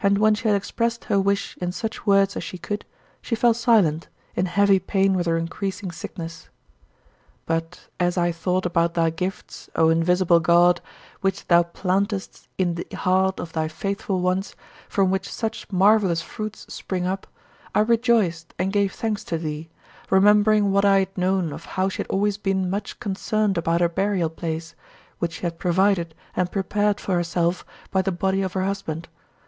And when she had expressed her wish in such words as she could, she fell silent, in heavy pain with her increasing sickness. 28. But as I thought about thy gifts, O invisible God, which thou plantest in the heart of thy faithful ones, from which such marvelous fruits spring up, I rejoiced and gave thanks to thee, remembering what I had known of how she had always been much concerned about her burial place, which she had provided and prepared for herself by the body of her husband.